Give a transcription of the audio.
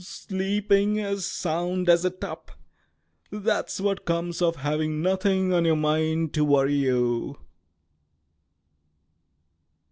"Sleeping as sound as a top. That's what comes of having nothing on your mind to worry you!"